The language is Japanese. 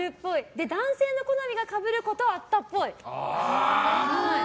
で、男性の好みがかぶることはあったっぽい。